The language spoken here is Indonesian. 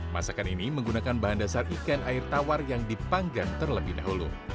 masakan ini menggunakan bahan dasar ikan air tawar yang dipanggang terlebih dahulu